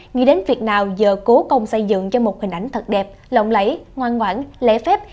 người đến việt nam giờ cố công xây dựng cho một hình ảnh thật đẹp lộng lẫy ngoan ngoãn lễ phép